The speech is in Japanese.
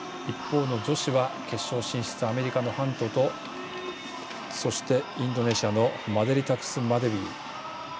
一方の女子は決勝進出、アメリカのハントとそして、インドネシアのマデリタクスマデウィ。